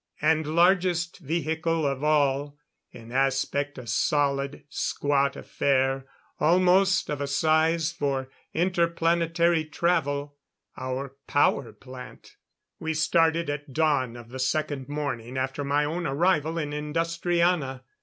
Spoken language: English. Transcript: And largest vehicle of all in aspect a solid, squat affair almost of a size for inter planetary travel our power plant. We started at dawn of the second morning after my own arrival in Industriana.